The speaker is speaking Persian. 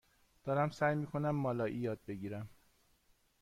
دارم سعی می کنم مالایی یاد بگیرم.